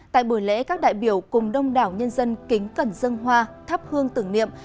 tại buổi lễ các đại biểu cùng đông đảo nhân dân kính cẩn dân hoa thắp hương tưởng niệm